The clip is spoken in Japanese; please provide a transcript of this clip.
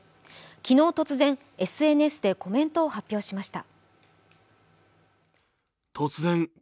昨日突然、ＳＮＳでコメントを発表しました。